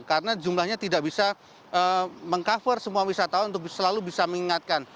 karena jumlahnya tidak bisa meng cover semua wisatawan untuk selalu bisa mengingatkan